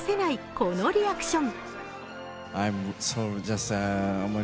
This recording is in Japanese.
このリアクション。